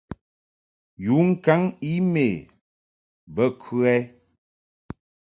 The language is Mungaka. Yu ŋkaŋ e-mail bə kə ɛ?